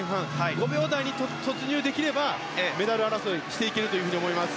５秒台に突入できればメダル争いをしていけると思います。